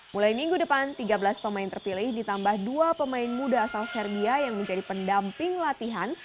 mulai minggu depan tiga belas pemain terpilih ditambah dua pemain muda asal serbia yang menjadi pendamping latihan